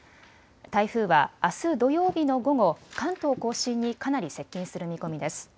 台風はあす土曜日の午後、関東甲信にかなり接近する見込みです。